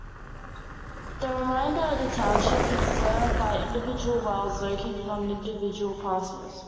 The remainder of the township is served by individual wells located on individual parcels.